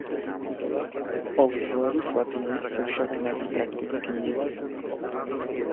O vzhledu svatyně se však neví prakticky nic.